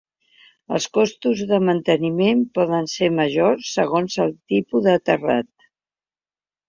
Els costos de manteniment poden ser majors segons el tipus de terrat.